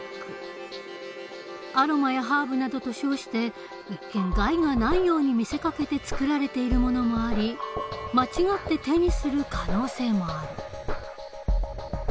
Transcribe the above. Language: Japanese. アロマやハーブなどと称して一見害がないように見せかけて作られているものもあり間違って手にする可能性もある。